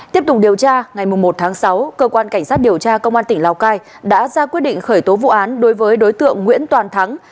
tiếp tục điều tra ngày một tháng sáu cơ quan cảnh sát điều tra công an tỉnh lào cai đã ra quyết định khởi tố vụ án đối với đối tượng nguyễn toàn thắng